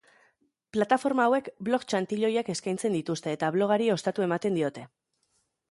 Plataforma hauek blog-txantiloiak eskaintzen dituzte eta blogari ostatu ematen diote.